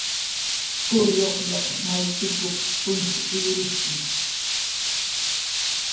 "K""uw lluqllaq may chukup punch ilruski"